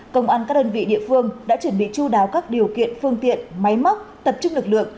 công an các đơn vị địa phương đã chu đáo các điều kiện phương tiện máy móc tập trung lực lượng